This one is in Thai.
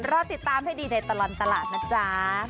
รอติดตามให้ดีในตลอดตลาดนะจ๊ะ